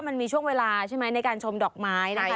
มันมีช่วงเวลาใช่ไหมในการชมดอกไม้นะคะ